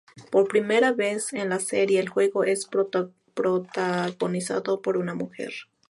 Por primera vez en la serie el juego es protagonizado por una mujer.